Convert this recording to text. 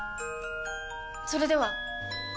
それでは！